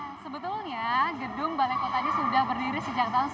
nah sebetulnya gedung balai kota ini sudah berdiri sejak tahun seribu sembilan ratus sembilan puluh